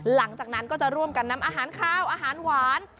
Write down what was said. หลังจากนั้นก็จะร่วมกันนำอาหารข้าวอาหารหวาน